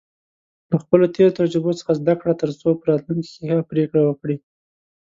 له خپلو تېرو تجربو څخه زده کړه، ترڅو په راتلونکي کې ښه پریکړې وکړې.